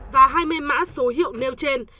và hai mươi mã số hiệu nêu trên